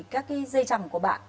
các dây chẳng của bạn